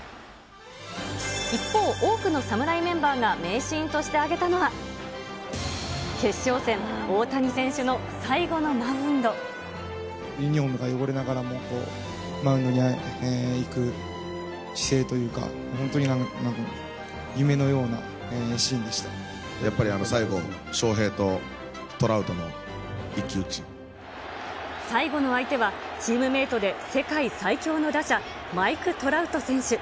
一方、多くの侍メンバーが名シーンとして挙げたのは、決勝戦、大谷選手ユニホームが汚れながらも、マウンドに行く姿勢というか、やっぱり最後、最後の相手は、チームメートで世界最強の打者、マイク・トラウト選手。